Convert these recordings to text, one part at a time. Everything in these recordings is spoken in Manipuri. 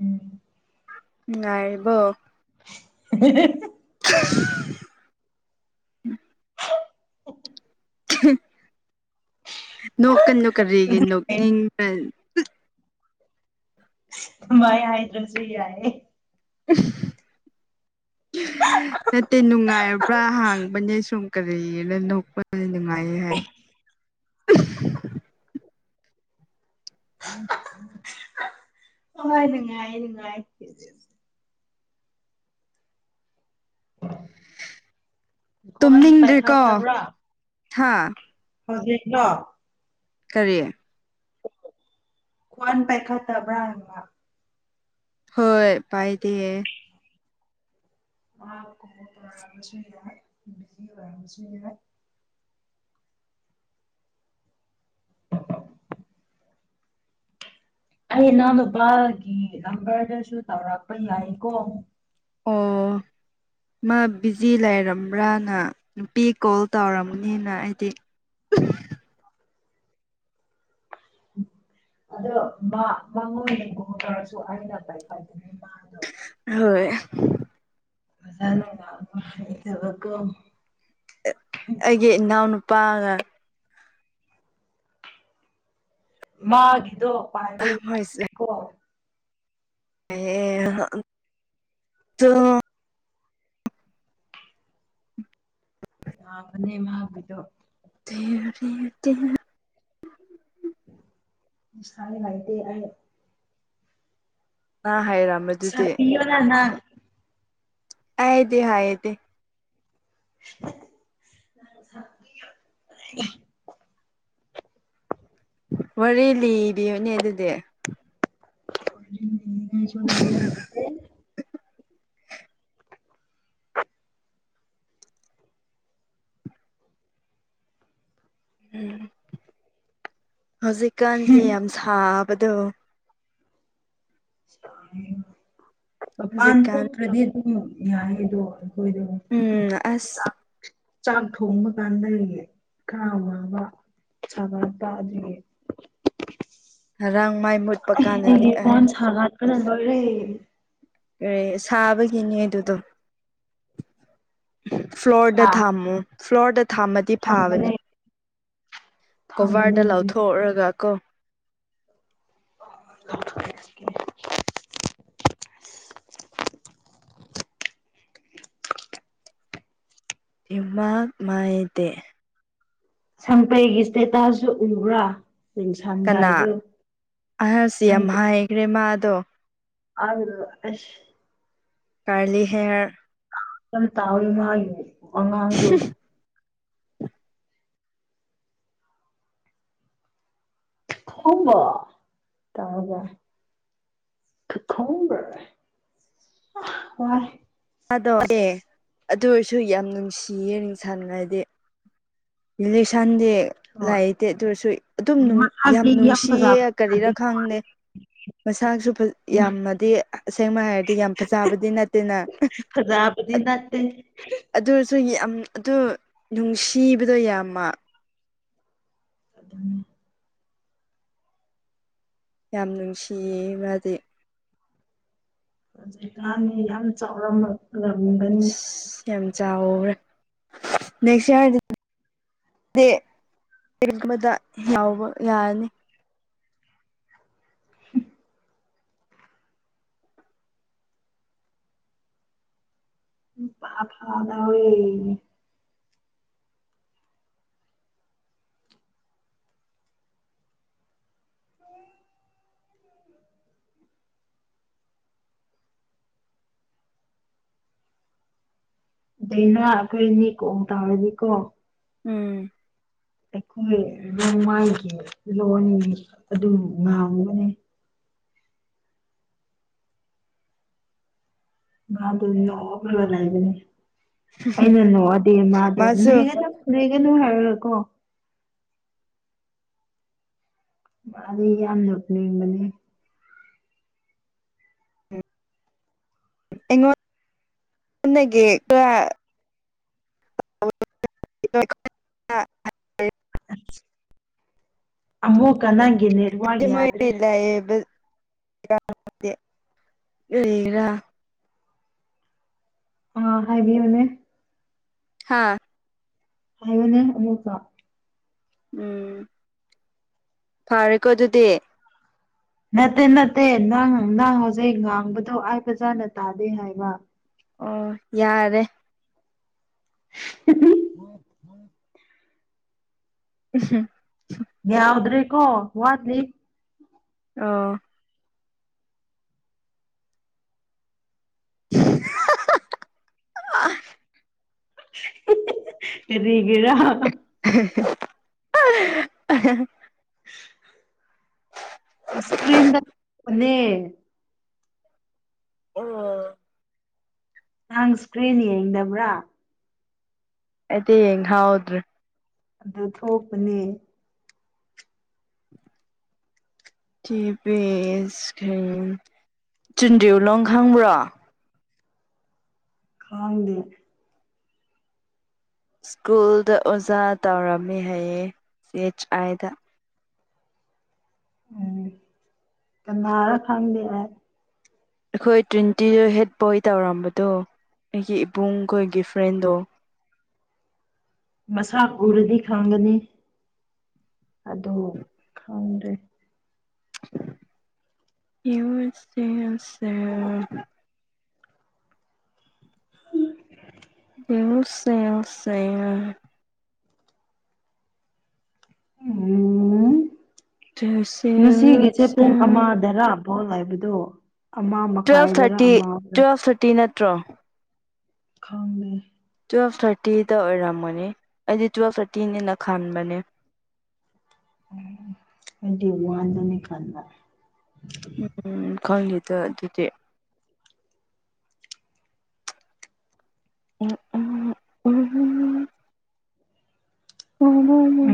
ꯎꯝ ꯅꯨꯡꯉꯥꯏꯔꯤꯕꯣ [unintelligible] ꯅꯣꯛꯀꯅꯨ ꯀꯔꯤꯒꯤ ꯅꯣꯛꯅꯤꯡꯕ꯭ꯔ [unintelligible] ꯊꯨꯃꯥꯏ ꯍꯥꯏꯗ꯭ꯔꯁꯨ ꯌꯥꯏꯌꯦ [unintelligible] ꯅꯠꯇꯦ ꯅꯨꯡꯉꯥꯏꯔꯕ꯭ꯔꯥ ꯍꯥꯡꯕꯅꯦ ꯁꯨꯝ ꯀ꯭ꯔꯤꯅ ꯅꯣꯛꯄ ꯅꯨꯡꯉꯥꯏꯌꯦ ꯍꯥꯏ [unintelligible] ꯍꯣꯏ ꯅꯨꯡꯉꯥꯏꯌꯦ ꯅꯨꯡꯉꯥꯏꯌꯦ ꯐꯤꯖꯤꯛꯁ ꯈꯣꯟ ꯇꯨꯝꯅꯤꯡꯗ꯭ꯔꯤꯀꯣ ꯄꯥꯏꯈꯠꯇꯕ꯭ꯔꯥ ꯍꯥ ꯍꯧꯖꯤꯛꯂꯣ ꯀꯔꯤ ꯈ꯭ꯋꯥꯟ ꯄꯥꯏꯈꯠꯇꯕ꯭ꯔꯥ ꯍꯪꯕ ꯍꯣꯏ ꯄꯥꯏꯗꯤꯌꯦ ꯃꯥ ꯈꯨꯃꯨꯛ ꯇꯣꯔꯝꯕꯁꯨ ꯌꯥꯏ ꯕꯤꯖꯤ ꯑꯣꯏꯔꯝꯕꯁꯨ ꯌꯥꯏ [inaudible] ꯑꯩ ꯏꯅꯥꯎꯅꯨꯄꯥꯒꯤ ꯅꯝꯕꯔꯗꯁꯨ ꯇꯧꯔꯛꯄ ꯌꯥꯏꯀꯣ ꯑꯣ ꯃꯥ ꯕꯤꯖꯤ ꯂꯩꯔꯝꯕ꯭ꯔꯥꯅ ꯅꯨꯡꯇꯤ ꯀꯣꯜ ꯇꯧꯔꯝꯒꯅꯤꯅ ꯑꯩꯗꯤ [unintelligible] ꯑꯗꯣ ꯃꯥ ꯃꯉꯣꯟ ꯗꯩꯕꯨ ꯃꯨꯛ ꯇꯧꯔꯁꯨ ꯑꯩꯅ ꯄꯥꯏꯈꯠꯀꯅꯤ ꯃꯥꯗꯣ ꯍꯣꯏ ꯃꯖꯥꯂꯨꯡꯗꯣ ꯑꯃ ꯍꯩꯇꯕꯀꯣ ꯑꯩꯒꯤ ꯏꯅꯥꯎ ꯅꯨꯄꯥꯒ ꯃꯥꯒꯤꯗꯣ ꯄꯥꯏꯕꯩ ꯀꯣ ꯑꯦ ꯑꯦ ꯑ ꯗꯣ ꯌꯥꯕꯅꯦ ꯃꯥꯒꯤꯗꯣ [unintelligible] ꯁꯥꯗꯤ ꯂꯩꯇꯦ ꯑꯩ ꯃꯥ ꯍꯩꯔꯝꯕꯗꯨꯗꯤ ꯁꯥꯕꯤꯌꯣ ꯔꯅ ꯑꯥꯩꯗꯤ ꯍꯥꯏꯗꯦ [unintelligible] ꯋꯥꯔꯤ ꯂꯤꯕꯤꯌꯨꯅꯦ ꯑꯗꯨꯗꯤ ꯑꯩꯁꯨ ꯋꯥꯔꯤ ꯂꯩꯇꯦ ꯎꯝ ꯍꯧꯖꯤꯛꯀꯥꯟꯁꯦ ꯌꯥꯝ ꯁꯥꯕꯗꯣ [unintelligible] ꯃꯄꯥꯟ ꯍꯧꯖꯤꯛꯀꯥꯟ ꯊꯣꯛꯇ꯭ꯔꯗꯤ ꯑꯗꯨꯝ ꯌꯥꯏꯕꯗꯣ ꯎꯝ [unintelligible] ꯑꯁ ꯆꯥꯛ ꯊꯣꯡꯕ ꯀꯥꯟꯗ ꯂꯩꯌꯦ ꯀꯥ ꯋꯥꯕ ꯁꯥꯒꯟꯕ ꯑꯗꯨꯒꯤ [inaudible] ꯃꯥꯏ ꯃꯨꯠꯄ ꯑ ꯀꯥꯟꯗꯗꯤ ꯑꯩꯒꯤ ꯐꯣꯟ ꯁꯥꯒꯠꯄꯅ ꯂꯣꯢꯔꯦ ꯑꯦ ꯁꯥꯕꯒꯤꯅꯦ ꯑꯗꯨꯗꯣ ꯐ꯭ꯂꯣꯔꯗ ꯍꯥ ꯊꯥꯝꯃꯨ ꯐ꯭ꯂꯣꯔꯗ ꯊꯥꯝꯃꯗꯤ ꯊꯝꯕꯅꯦ ꯐꯥꯕꯅꯤ ꯊꯝꯕꯅꯦ ꯀꯚꯔꯗꯣ ꯍꯧꯖꯤꯛ ꯂꯧꯊꯣꯛꯔꯒꯀꯣ [inaudible] [inaudible] ꯄꯤꯃꯥꯛ ꯃꯥꯏꯗꯦ ꯁꯪꯄꯩꯒꯤ ꯁ꯭ꯇꯦꯇꯥꯁꯁꯨ ꯎꯕ꯭ꯔꯥ ꯀꯅꯥ ꯁꯟꯒꯥꯏꯗꯨ ꯑꯁ ꯌꯥꯝ ꯍꯥꯏꯒ꯭ꯔꯦ ꯃꯥꯗꯣ ꯑꯗꯨꯗꯣ ꯑꯁ ꯀꯥꯥꯔꯂꯤ ꯍꯦꯌꯔ ꯌꯥꯝ ꯇꯧꯋꯦ ꯃꯥꯢ ꯋꯥꯉꯥꯡꯗꯨ ꯈꯪꯕ [unintelligible] [unintelligible] ꯑ ꯋꯥꯔꯦ [unintelligible] ꯑꯗꯨ ꯑꯣꯏꯔꯁꯨ ꯌꯥꯝ ꯅꯨꯡꯁꯤꯌꯦ ꯅꯨꯡꯁꯥꯅꯉꯥꯏꯗꯤ ꯂꯤꯁꯟꯗꯤ ꯍꯣꯏ ꯂꯥꯏꯇꯦ ꯑꯗꯨꯑꯣꯏꯁꯨ ꯑꯗꯨꯝ ꯌꯥꯝ ꯃꯥꯒꯤ ꯅꯨꯡꯁꯤꯌꯦ ꯐꯖꯕ ꯀꯔꯤꯔꯥ ꯅꯠꯇꯦ ꯈꯪꯗꯦ ꯃꯁꯥꯁꯨ ꯐꯖ ꯌꯥꯝꯅꯗꯤ ꯑꯁꯦꯡꯕ ꯍꯥꯏꯔꯗꯤ ꯌꯥꯝ ꯐꯖꯕꯗꯤ ꯅꯠꯇꯦꯅ ꯐꯖꯥꯕꯗꯤ ꯅꯠꯇꯦ [unintelligible] ꯑꯗꯨ ꯑꯣꯏꯔꯁꯨ ꯌꯥꯝ ꯑꯗꯨ ꯅꯨꯡꯁꯤꯕꯗꯣ ꯌꯥꯝꯃ ꯑꯗꯨꯅꯦ ꯌꯥꯝ ꯅꯨꯡꯁꯤꯌꯦ ꯃꯥꯗꯤ ꯍꯧꯖꯤꯛꯀꯥꯟꯅꯤ ꯌꯥꯝ ꯆꯥꯎꯔꯝꯂꯝꯒꯅꯤ ꯑꯁ ꯌꯥꯝ ꯆꯥꯎꯔꯦ ꯅꯦꯛꯁ ꯏꯌꯔ ꯗꯤ [unintelligible] ꯑꯃꯗ ꯌꯥꯎꯕ ꯌꯥꯔꯅꯤ [unintelligible] ꯅꯨꯄꯥ ꯑꯐꯕ ꯂꯩꯌꯦꯌꯦ ꯗꯩꯅ ꯑꯩꯈꯣꯏꯅꯤ ꯀꯣꯝ ꯇꯥꯕꯗꯤꯀꯣ ꯎꯝ ꯑꯩꯈꯣꯏ ꯔꯣꯡꯃꯥꯏꯒꯤ ꯂꯣꯟ ꯑꯗꯨꯝ ꯉꯥꯡꯕꯅꯦ ꯃꯥꯗꯣ ꯅꯣꯛꯂꯒ ꯂꯩꯕꯅꯦ ꯑꯩꯅ ꯅꯣꯛꯑꯗꯤ ꯃꯥꯗꯣ ꯃꯥꯁꯨ ꯂꯨꯢꯒꯅꯨ ꯂꯨꯢꯒꯅꯨ ꯍꯥꯢ ꯀꯣ ꯃꯥꯗꯤ ꯌꯥꯝ ꯅꯣꯛꯅꯤꯡꯕꯅꯤ ꯑꯩꯉꯣꯟ ꯗꯒꯤ ꯀ [unintelligible] ꯑꯃꯨꯛꯀ ꯅꯪ ꯗꯨ ꯃꯣꯢ ꯂꯩꯕ [unintelligible] ꯀꯔꯤꯔ ꯑ ꯍꯥꯏꯕꯤꯌꯨꯅꯦ ꯍꯥꯥ ꯍꯥꯏꯌꯨꯅꯦ ꯑꯃꯨꯛꯀ ꯎꯝ ꯐꯥꯔꯦꯀꯣ ꯑꯗꯨꯗꯤ ꯅꯠꯇꯦ ꯅꯠꯇꯦ ꯅꯪ ꯅꯪ ꯍꯧꯖꯤꯛ ꯉꯥꯡꯕꯗꯣ ꯑꯩ ꯐꯖꯟꯅ ꯇꯥꯗꯦ ꯍꯥꯏꯕ ꯑꯣ ꯌꯥꯔꯦ [unintelligible] [unintelligible] ꯌꯥꯎꯗ꯭ꯔꯦ ꯀꯣ ꯋꯥꯠꯂꯤ ꯑꯣ [unintelligible] [unintelligible] ꯀꯔꯤꯒꯤꯔꯥ [unintelligible] [inaudible] ꯏꯁꯀ꯭ꯔꯤꯟꯗ ꯄꯅꯦ ꯑꯣ ꯅꯪ ꯁ꯭ꯀ꯭ꯔꯤꯟ ꯌꯦꯡꯗꯕ꯭ꯔꯥ ꯑꯩꯗꯤ ꯌꯦꯡꯍꯥꯎꯗ꯭ꯔꯦ ꯑꯗꯨ ꯊꯣꯛꯄꯅꯦ ꯇꯤꯕꯤꯁ ꯁ꯭ꯀ꯭ꯔꯤꯟ ꯇ꯭ꯌꯨꯟꯗꯤꯎꯂꯣꯡ ꯈꯪꯕ꯭ꯔꯣ ꯈꯪꯗꯦ ꯁ꯭ꯀꯨꯜꯗ ꯑꯣꯖꯥ ꯇꯧꯔꯝꯃꯦ ꯍꯥꯏꯌꯦ ꯁꯤ ꯑꯩꯆ ꯑꯥꯏꯗ ꯎꯝ ꯀꯥꯅꯔ ꯈꯪꯗꯦ ꯑꯥꯏ ꯑꯈꯣꯏ ꯇ꯭ꯋꯦꯟꯇꯤꯗ ꯍꯦꯠ ꯕꯣꯏ ꯇꯧꯔꯝꯕꯗꯣ ꯑꯩꯒꯤ ꯏꯕꯨꯡꯈꯣꯏꯒꯤ ꯐ꯭ꯔꯦꯟꯗꯣ ꯃꯁꯥꯛ ꯎꯔꯗꯤ ꯈꯪꯒꯅꯤ ꯑꯗꯣ ꯈꯪꯗ꯭ꯔꯦ ꯌꯨ ꯑꯦꯁ ꯑꯦ ꯁꯦ [unintelligible] ꯎꯝ ꯉꯁꯤꯒꯤꯁꯦ ꯇꯨꯋꯦꯜꯐ ꯄꯨꯡ ꯑꯃꯥꯗꯔꯥ ꯕꯣꯜ ꯂꯩꯕꯗꯣ ꯑꯃ ꯇꯨꯋꯦꯜꯐ ꯃꯈꯥꯏꯗꯔ ꯊꯔꯇꯤ ꯑꯃꯗ ꯇꯨꯋꯦꯜꯐ ꯊꯔꯇꯤ ꯅꯠꯇ꯭ꯔꯣ ꯈꯪꯗꯦ ꯇꯨꯋꯦꯜꯐ ꯊꯔꯇꯤꯗ ꯑꯣꯏꯔꯝꯒꯅꯤ ꯑꯩꯗꯤ ꯇꯨꯋꯦꯜꯐ ꯊꯔꯇꯤꯅꯦꯦꯅ ꯈꯟꯕꯅꯦ ꯑꯩꯗꯤ ꯋꯥꯟꯗꯅꯤ ꯈꯟꯕ ꯎꯝ ꯈꯪꯗꯦꯗ ꯑꯗꯨꯗꯤ [unintelligible]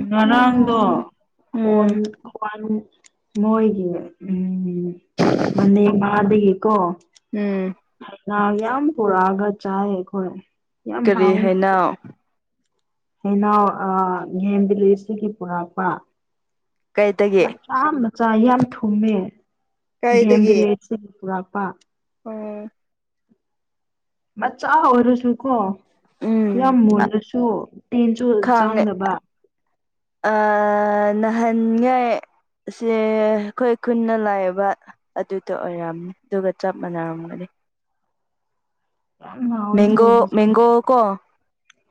ꯉꯔꯥꯡꯗ ꯐꯣꯟ ꯊꯨꯒꯥꯏ ꯃꯣꯏꯒꯤ ꯎꯝ ꯃꯅꯦ ꯅꯥꯕꯒꯤ ꯀꯣ ꯎꯝ ꯂ ꯌꯥꯝ ꯄꯨꯔꯛꯑꯒ ꯆꯥꯏ ꯑꯩꯈꯣꯏ ꯌꯥꯝ ꯀꯔꯤ ꯍꯥꯎꯋꯤ ꯍꯥꯏꯅꯣ ꯍꯦꯅꯥꯎ ꯑꯥ ꯒꯦꯝ ꯚꯤꯂꯦꯖꯇꯒꯤ ꯄꯨꯔꯛꯄ ꯀꯩꯗꯒꯤ ꯃꯆꯥ ꯃꯆꯥ ꯌꯥꯝ ꯊꯨꯝꯃꯦ ꯀꯥꯏꯗꯒꯤ ꯒꯦꯝꯚꯤꯂꯦꯖꯇꯒꯤ ꯄꯨꯔꯛꯄ ꯑꯣ ꯃꯆꯥ ꯑꯣꯏꯔꯁꯨ ꯀꯣ ꯌꯥꯝ ꯎꯝ ꯃꯨꯜꯂꯁꯨ ꯇꯤꯟꯁꯨ ꯆꯥꯡꯗꯕ ꯑ ꯅꯍꯟꯅꯦ ꯁꯦ ꯑꯈꯣꯏ ꯈꯨꯟꯗ ꯂꯥꯛꯑꯦꯕ ꯑꯗꯨꯗ ꯑꯣꯏꯔꯝꯅꯤ ꯑꯗꯨꯒ ꯆꯞ ꯃꯥꯟꯅꯔꯝꯒꯅꯤ ꯌꯥꯝ ꯃꯦꯡꯒꯣ ꯃꯦꯡꯒꯣ ꯀꯣ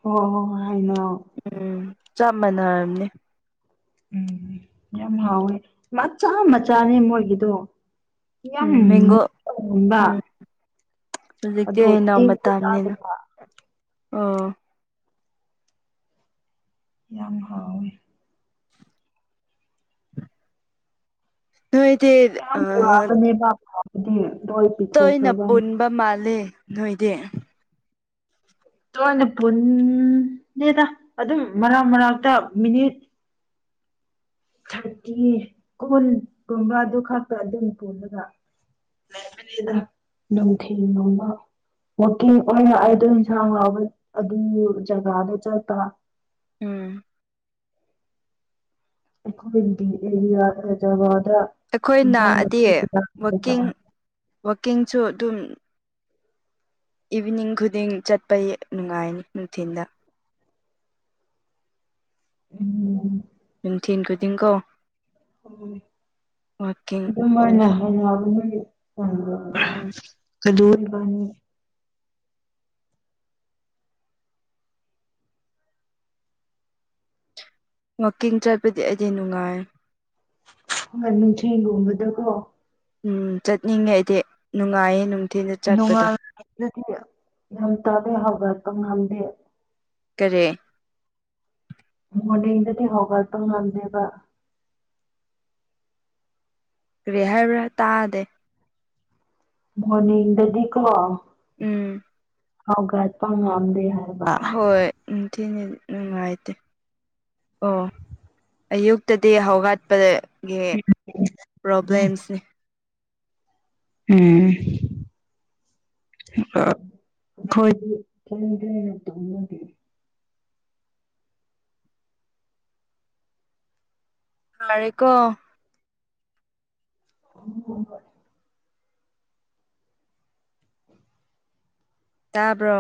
ꯍꯣ ꯍꯣ ꯍꯣꯏ ꯍꯥꯏꯅꯣ ꯎꯝ ꯆꯞ ꯃꯥꯟꯅꯔꯝꯅꯤ ꯎꯝ ꯌꯥꯝ ꯍꯥꯎꯋꯦ ꯃꯆꯥ ꯃꯆꯥꯅꯤ ꯃꯣꯏꯒꯤꯗꯣ ꯌꯥꯝ ꯎꯝ ꯃꯦꯡꯒꯣ ꯃꯨꯟꯕ ꯃꯨꯟꯕ ꯎꯝ ꯍꯧꯖꯤꯛꯇꯤ ꯑꯗꯣ ꯍꯩꯅꯧ ꯇꯤꯟꯖꯨ ꯆꯥꯗꯕ ꯑꯥ ꯌꯥꯝ ꯍꯥꯎꯋꯦ ꯅꯣꯏꯗꯤ ꯀ꯭ꯌꯥꯝ ꯑꯥ ꯋꯥꯕꯅꯦꯕ ꯐꯕꯗꯤ ꯂꯣꯏ ꯇꯣꯏꯅ ꯄꯤꯊꯣꯛꯈ꯭ꯔꯕ ꯄꯨꯟꯕ ꯃꯥꯜꯂꯦ ꯅꯣꯏꯗꯤ ꯇꯣꯏꯅ ꯄꯨꯟꯅꯗꯦꯗ ꯑꯗꯨꯝ ꯃꯔꯛ ꯃꯔꯛꯇ ꯃꯤꯅꯤꯠ ꯊꯔꯇꯤ ꯀꯨꯟꯄꯨꯝꯕ ꯑꯗꯨ ꯈꯛꯇ ꯑꯗꯨꯝ ꯄꯨꯜꯂꯒ ꯂꯩꯄꯅꯤꯗ ꯅꯨꯡꯊꯤꯟ ꯅꯣꯡꯃ ꯋꯥꯛꯀꯤꯡ ꯑꯣꯏꯅ ꯑꯩꯗꯣ ꯏꯟꯁꯥꯡ ꯂꯥꯎꯕ ꯑꯗꯨꯝ ꯖꯒꯥꯗ ꯆꯠꯄ ꯎꯝ ꯑꯩꯈꯣꯏꯒꯤꯗꯤ ꯑꯦꯔꯤꯌꯥꯗ ꯂꯩꯖꯔꯣꯏ ꯑꯩꯈꯣꯏ ꯅꯥꯑꯗꯤ ꯋꯥꯛꯀꯤꯡ ꯂꯩꯇꯕ ꯋꯥꯛꯀꯤꯡꯁꯨ ꯑꯗꯨꯝ ꯏꯚꯤꯅꯤꯡ ꯈꯨꯗꯤꯡ ꯆꯠꯄ ꯅꯨꯡꯉꯥꯏꯅꯤ ꯅꯨꯡꯊꯤꯟꯗ ꯅꯨꯡꯊꯤꯟ ꯈꯨꯗꯤꯡꯀꯣ ꯎꯝ ꯋꯥꯛꯀꯤꯡ ꯑꯗꯨ ꯃꯥꯏꯅ ꯊꯦꯡꯅꯕꯅꯤ ꯎꯝ [inaudible] ꯀꯗꯨ ꯏꯕꯥꯅꯤ ꯋꯥꯛꯀꯤꯡ ꯆꯠꯄꯗꯤ ꯑꯩꯗꯤ ꯅꯨꯡꯉꯥꯏ ꯑꯃ ꯅꯨꯡꯊꯤꯟꯒꯨꯝꯕꯗꯀꯣ ꯎꯝ ꯆꯠꯅꯤꯡꯉꯦ ꯑꯩꯗꯤ ꯅꯨꯡꯉꯥꯏꯌꯦ ꯅꯨꯡꯊꯤꯟꯗ ꯆꯠꯄꯗꯣ ꯅꯣꯡꯉꯥꯜꯂꯗꯤ ꯌꯥꯝ ꯒ꯭ꯌꯥꯟ ꯇꯗꯩ ꯍꯧꯕ ꯀꯪꯍꯜꯂꯤ ꯀꯔꯤ ꯃꯣꯔꯅꯤꯡꯗꯗꯤ ꯍꯧꯒꯠꯄ ꯉꯝꯗꯦꯕ ꯀꯔꯤ ꯍꯥꯏꯕ꯭ꯔꯥ ꯇꯥꯗꯦ ꯃꯣꯔꯅꯤꯡꯗꯩꯗꯤ ꯀꯣ ꯎꯝ ꯍꯧꯒꯠꯄ ꯉꯝꯗꯦ ꯍꯥꯏ ꯍꯣꯏ ꯅꯨꯡꯊꯤꯟꯅꯦ ꯅꯨꯡꯉꯥꯏꯇꯦ ꯑꯣ ꯑꯌꯨꯛꯇꯗꯤ ꯍꯧꯒꯠꯄꯗ ꯒꯤ ꯄ꯭ꯔꯣꯕ꯭ꯂꯦꯝꯁꯦ ꯎꯝ ꯑꯥ ꯑꯈꯣꯏꯗꯤ ꯀ꯭ꯔꯦꯡ ꯀ꯭ꯔꯦꯡ ꯌꯥꯝ ꯇꯧꯅꯗꯦ ꯐꯥꯔꯦꯀꯣ ꯍꯣ ꯍꯣ ꯍꯣꯏ ꯇꯥꯕ꯭ꯔꯣ